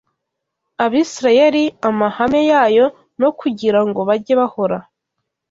Abisirayeli amahame yayo no kugira ngo bajye bahora